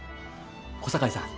小堺さん